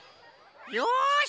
よし！